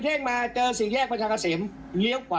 ตรงร้านนี้เลยจ๊ะกะลีน